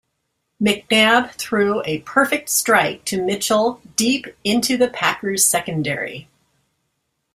McNabb threw a perfect strike to Mitchell deep into the Packers' secondary.